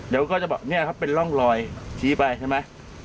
เดี๋ยวก็จะบอกเนี่ยครับเป็นร่องรอยชี้ไปใช่ไหม